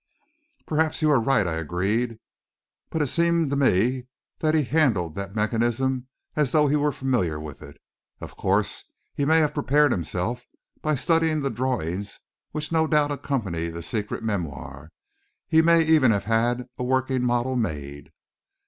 "Perhaps you are right," I agreed. "But it seemed to me that he handled that mechanism as though he was familiar with it. Of course, he may have prepared himself by studying the drawings which no doubt accompany the secret memoir. He may even have had a working model made."